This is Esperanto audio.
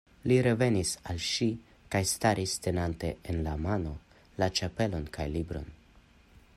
Li revenis al ŝi kaj staris, tenante en la mano la ĉapelon kaj libron.